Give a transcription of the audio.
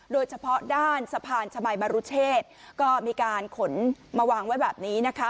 โดยเฉพาะด้านสะพานชมัยมรุเชษก็มีการขนมาวางไว้แบบนี้นะคะ